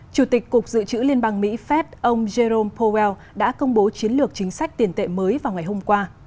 chủ tịch cục dự trữ liên bang mỹ fed ông jerome powell đã công bố chiến lược chính sách tiền tệ mới vào ngày hôm qua